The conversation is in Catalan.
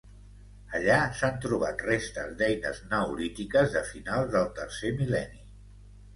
Allà s'han trobat restes d'eines neolítiques de finals de tercer mil·lenni.